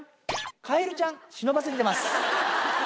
カエルちゃん、忍ばせてます。